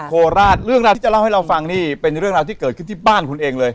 โคราชเรื่องราวที่จะเล่าให้เราฟังนี่เป็นเรื่องราวที่เกิดขึ้นที่บ้านคุณเองเลย